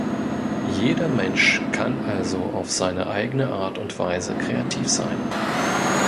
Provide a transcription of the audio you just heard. Jeder Mensch kann also auf seine eigene Art und Weise kreativ sein.